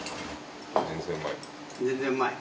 全然うまい。